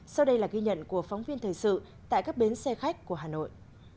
sau đây là ghi nhận của phóng viên thời sự tại các bến xe khách của hà nội